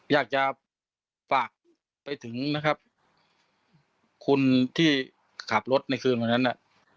อยากจะฝากไปถึงนะครับคุณที่ขับรถในคืนวันนั้นน่ะ